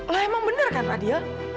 lah emang bener kan pak dio